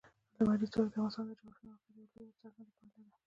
لمریز ځواک د افغانستان د جغرافیایي موقیعت یوه لویه او څرګنده پایله ده.